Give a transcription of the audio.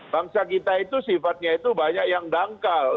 bangsa kita itu sifatnya itu banyak yang dangkal